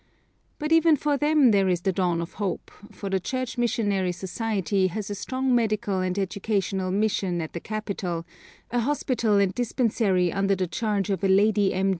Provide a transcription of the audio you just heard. But even for them there is the dawn of hope, for the Church Missionary Society has a strong medical and educational mission at the capital, a hospital and dispensary under the charge of a lady M.